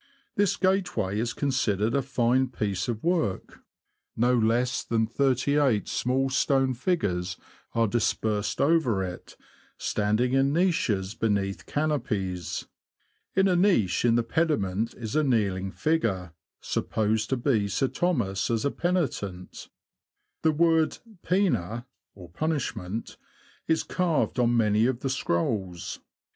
This gateway is considered a fine piece of work ; no less than thirty eight small stone figures are Flintwork Masonry in St. Ethelbert's Gateway, Norwich Cathedral. dispersed over it, standing in niches beneath canopies. In a niche in the pediment is a kneeling figure, sup posed to be Sir Thomas as a penitent ; the word poena (punishment) is carved on many of the scrolls.